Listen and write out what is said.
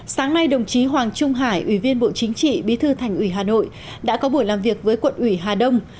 sáng nay đồng chí hoàng trung hải ủy viên bộ chính trị bí thư thành ủy hà nội đã có buổi làm việc với quận ủy hà đông